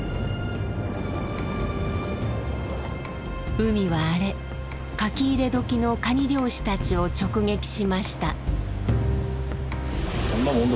海は荒れ書き入れ時のカニ漁師たちを直撃しました。